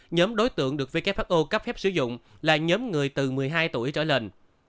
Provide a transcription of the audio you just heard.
nhóm đối tượng được who cấp phép sử dụng là nhóm người từ một mươi hai tuổi trở lên